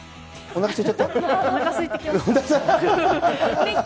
おなかすいちゃった？